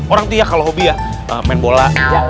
orang itu ya kalau hobi ya main bola